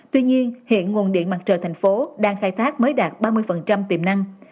tuy nhiên hiện nguồn điện mặt trời thành phố đang khai thác mới đạt ba mươi tiềm năng